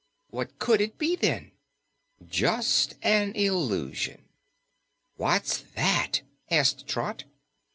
"What COULD it be, then?" "Just an illusion." "What's that?" asked Trot.